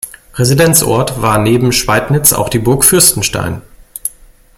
Residenzort war neben Schweidnitz auch die Burg Fürstenstein.